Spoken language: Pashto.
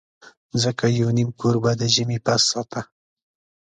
ځکه یو نیم کور به د ژمي پس ساته.